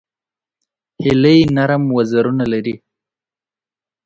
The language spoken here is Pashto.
هیلۍ نرم وزرونه لري